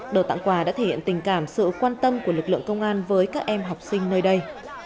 đồ tặng quà đã thể hiện tình cảm sự quan tâm của lực lượng công an với các em học sinh nơi đây